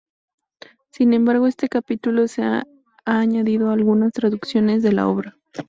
Sin embargo, este capítulo se ha añadido a algunas traducciones de la obra.